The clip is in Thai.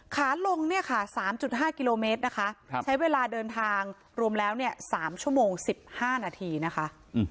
ขาลงเนี่ยค่ะ๓๕กิโลเมตรนะคะใช้เวลาเดินทางรวมแล้ว๓ชั่วโมง๑๕นาทีนะคะ